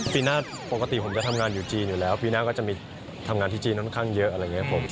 ปีหน้าปกติผมจะทำงานอยู่จีนอยู่แล้วปีหน้าก็จะมีทำงานที่จีนค่อนข้างเยอะอะไรอย่างนี้ผม